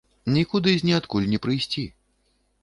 Нікуды з ніадкуль не прыйсці.